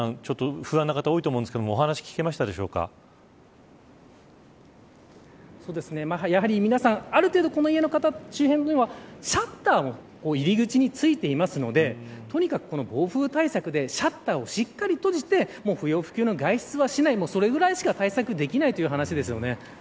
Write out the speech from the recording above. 不安な方が多いと思うんですがやはり皆さんある程度この周辺の家ではシャッターも入り口についているのでとにかく暴風対策でシャッターをしっかり閉じて不要不急の外出はしないそれぐらいしか対策できないという話ですよね。